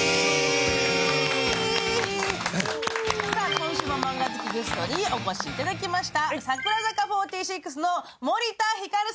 今週もマンガ好きゲストにお越しいただきました。